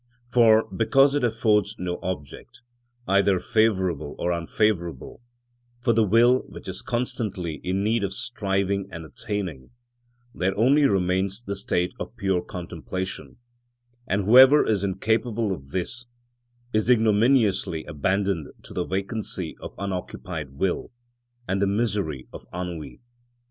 For, because it affords no object, either favourable or unfavourable, for the will which is constantly in need of striving and attaining, there only remains the state of pure contemplation, and whoever is incapable of this, is ignominiously abandoned to the vacancy of unoccupied will, and the misery of ennui.